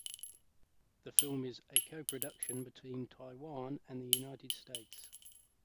The film is a co-production between Taiwan and the United States.